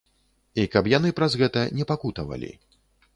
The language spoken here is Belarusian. І каб яны праз гэта не пакутавалі.